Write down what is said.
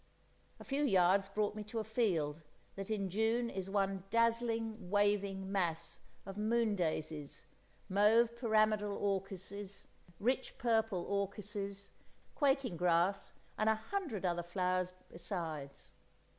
A few yards brought me to a field that in June is one dazzling, waving mass of moon daisies, mauve pyramidal orchises, rich purple orchises, quaking grass, and a hundred other flowers besides.